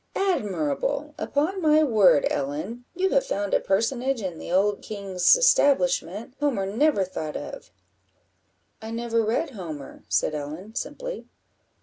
admirable! upon my word, Ellen, you have found a personage in the old king's establishment Homer never thought of." "I never read Homer," said Ellen, simply.